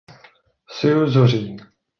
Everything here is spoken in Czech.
Sue zuří.